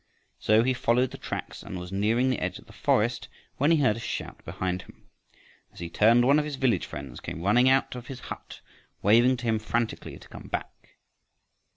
So he followed the tracks and was nearing the edge of the forest, when he heard a shout behind him. As he turned, one of his village friends came running out of his hut waving to him frantically to come back.